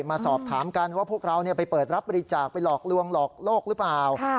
มาสอบถามกันว่าพวกเราไปเปิดรับบริจาคไปหลอกลวงหลอกโลกหรือเปล่า